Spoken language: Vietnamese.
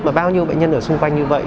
và bao nhiêu bệnh nhân ở xung quanh như vậy